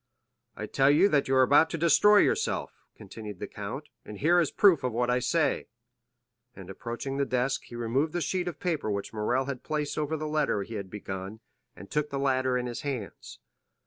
"I tell you that you are about to destroy yourself," continued the count, "and here is proof of what I say;" and, approaching the desk, he removed the sheet of paper which Morrel had placed over the letter he had begun, and took the latter in his hands.